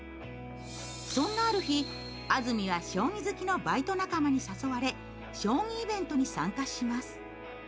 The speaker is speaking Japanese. そんなある日、安住は将棋好きのバイト仲間に誘われ、将棋イベントに参加します。